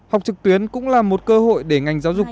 học trực tuyến cũng là một cơ hội để ngành giáo dục